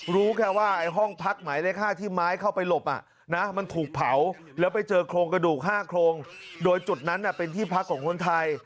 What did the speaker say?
รู้แค่ว่าห้องพักหมายเลข๕ที่ไม้เข้าไปหลบมันถูกเผาแล้วไปเจอโครงกระดูก๕โครงโดยจุดนั้นเป็นที่พักของคนไทย